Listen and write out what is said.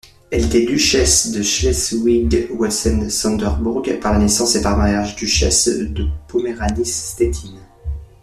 Elle était duchesse de Schleswig-Holstein-Sonderbourg par la naissance et par mariage duchesse de Poméranie-Stettin.